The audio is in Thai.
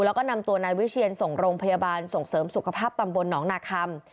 แล้วก็นำตัวนายวิเชียนส่งโรงพยาบาลส่งเสริมสุขภาพตำบลหนองนาคัม